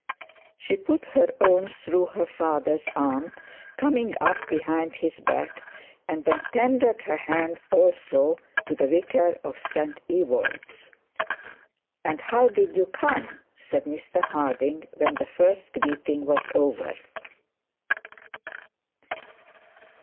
She put her own through her father's arm, coming up behind his back, and then tendered her hand also to the vicar of St Ewold's. 'And how did you come?' said Mr Harding, when the first greeting was over.